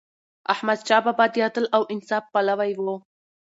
احمدشاه بابا د عدل او انصاف پلوی و.